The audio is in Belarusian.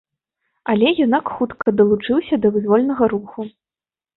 Але юнак хутка далучыўся да вызвольнага руху.